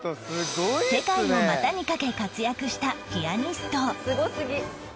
世界を股にかけ活躍したピアニストすごすぎ。